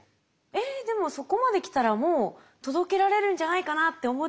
えっでもそこまで来たらもう届けられるんじゃないかなって思っちゃうんですけど。